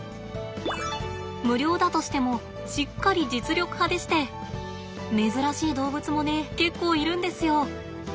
無料だとしてもしっかり実力派でして珍しい動物もね結構いるんですよ。